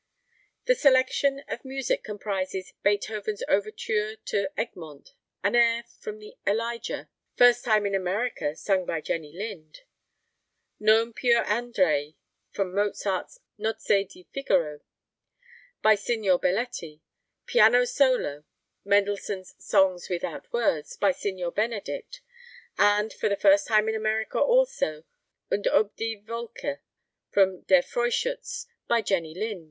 The selection of music comprises Beethoven's overture to "Egmont;" an air from the "Elijah," first time in America, sung by Jenny Lind; "Non piu andrai," from Mozart's "Nozze di Figaro," by Signor Belletti; piano solo, Mendelssohn's "Songs without Words," by Signor Benedict; and, for the first time in America also, "Und ob die Wolke," from "Der Freischutz," by Jenny Lind.